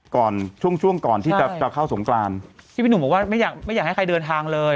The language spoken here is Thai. ช่วงช่วงก่อนที่จะจะเข้าสงกรานที่พี่หนุ่มบอกว่าไม่อยากไม่อยากให้ใครเดินทางเลย